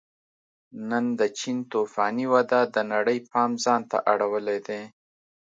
نن د چین توفاني وده د نړۍ پام ځان ته اړولی دی